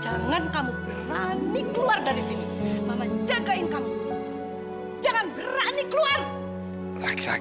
jadi anakmu kan masih jawab di dalam imbahan a